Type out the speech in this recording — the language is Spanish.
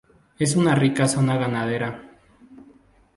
Es una rica zona ganadera.